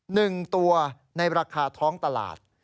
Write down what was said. หนึ่งตัวในราคาท้องตลาด